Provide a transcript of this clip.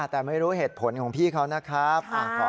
แต่ไม่รู้เหตุผลของพี่เขานะครับ